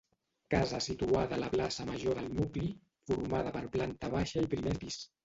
Casa situada a la plaça Major del nucli, formada per planta baixa i primer pis.